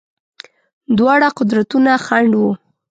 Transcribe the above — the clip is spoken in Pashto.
دواړه قدرتونه خنډ وه.